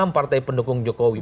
enam partai pendukung jokowi